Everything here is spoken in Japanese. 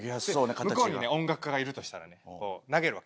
向こうにね音楽家がいるとしたらねこう投げる。